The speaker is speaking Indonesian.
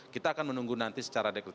kita akan menunggu nanti secara deklatif